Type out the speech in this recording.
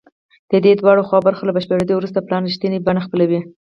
د دې دواړو برخو له بشپړېدو وروسته پلان رښتینې بڼه خپلوي